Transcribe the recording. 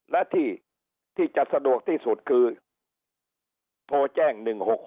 และที่จะสะดวกที่สุดคือโทรแจ้ง๑๖๖